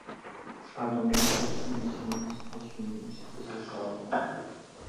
armamentos, munições, rações, deslocavam